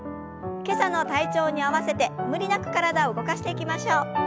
今朝の体調に合わせて無理なく体を動かしていきましょう。